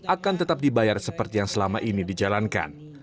akan tetap dibayar seperti yang selama ini dijalankan